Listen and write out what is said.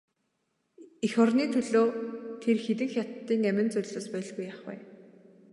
Эх орны төлөө тэр хэдэн хятадын амин золиос байлгүй яах вэ?